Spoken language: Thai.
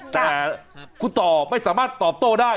แต่คุณต่อไม่สามารถตอบโต้ได้